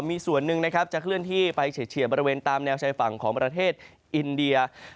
มีส่วนหนึ่งนะครับจะเคลื่อนที่ไปเฉียบริเวณตามแนวชายฝั่งของประเทศอินเดีย